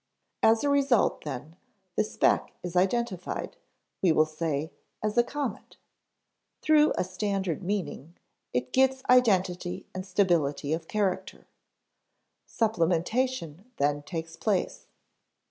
As a result, then, the speck is identified, we will say, as a comet. Through a standard meaning, it gets identity and stability of character. Supplementation then takes place.